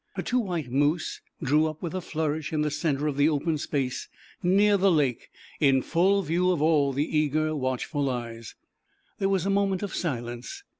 Her two white Moose drew up with a flourish e center of the open space near the n full view of all the eager watchful JT ^ here was a moment of silence.